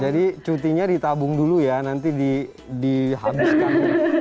jadi cutinya ditabung dulu ya nanti dihabiskan